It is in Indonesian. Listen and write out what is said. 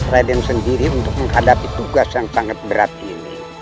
raden sendiri untuk menghadapi tugas yang sangat berat ini